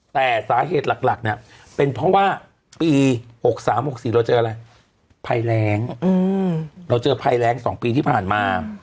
แต่สาเหตุหลักเนี่ยเป็นเพราะว่าปี๖๓๖๔เราเจออะไรภัยแรงเราเจอภัยแรง๒ปีที่ผ่านมา